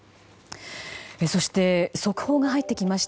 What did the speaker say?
そして速報が入ってきました。